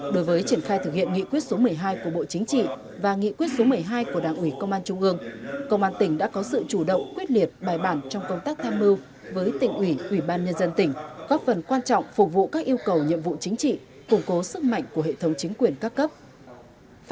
đối với triển khai thực hiện nghị quyết số một mươi hai của bộ chính trị và nghị quyết số một mươi hai của đảng ủy công an trung ương công an tỉnh đã có sự chủ động quyết liệt bài bản trong công tác tham mưu với tỉnh ủy ủy ban nhân dân tỉnh góp phần quan trọng phục vụ các yêu cầu nhiệm vụ chính trị củng cố sức mạnh của hệ thống chính quyền các cấp